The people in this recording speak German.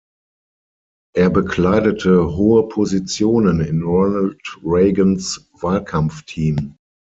Er bekleidete hohe Positionen in Ronald Reagans Wahlkampfteam.